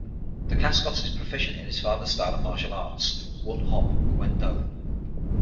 Dacascos is proficient in his father's style of martial arts, Wun Hop Kuen Do.